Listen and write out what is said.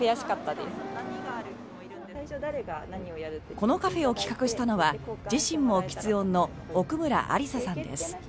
このカフェを企画したのは自身もきつ音の奥村安莉沙さんです。